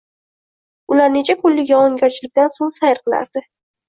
Ular necha kunlik yog’ingarchilikdan so’ng sayr qilardi.